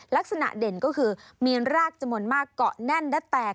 ลักษณะเด่นก็คือมีรากจำนวนมากเกาะแน่นและแตก